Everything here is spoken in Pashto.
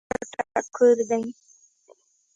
هیواد د زړه ټکور دی